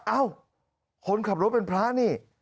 เอ้าคนขับรถเป็นพระนี่